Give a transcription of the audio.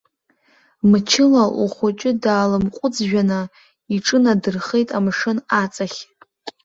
Мчыла лхәыҷы даалымҟәыҵжәаны, иҿынадырхеит амшын аҵахь.